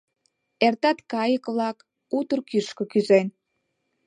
Эртат кайык-влак, утыр кӱшкӧ кӱзен